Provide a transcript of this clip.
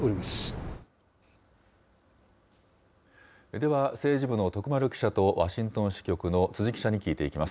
では、政治部の徳丸記者と、ワシントン支局の辻記者に聞いていきます。